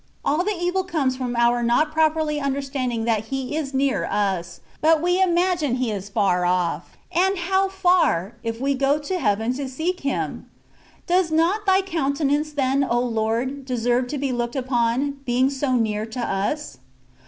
All the evil comes from our not properly understanding that He is near us ; but we imagine He is far off, and how far, if we go to heaven to seek Him ! Does not Thy countenance then, O Lord, deserve to be looked upon, being so near to us